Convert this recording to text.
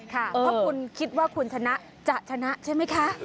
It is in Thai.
ค่ะถ้าคุณคิดว่าคุณชนะจะชนะใช่มั้ยคะ